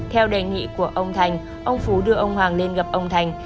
theo đề nghị của ông thanh ông phú đưa ông hoàng lên gặp ông thanh